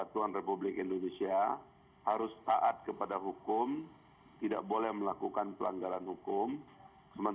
tapi saya tetap mau datang dan dilakukan dengan kekuatan